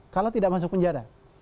kalau tidak masuk penjara